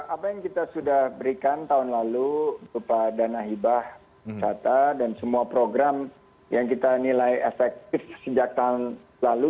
apa yang kita sudah berikan tahun lalu berupa dana hibah kata dan semua program yang kita nilai efektif sejak tahun lalu